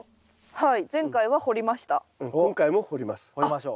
はい。